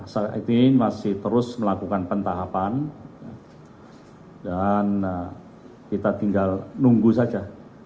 saat ini masih terus melakukan pentahapan dan kita tinggal nunggu saja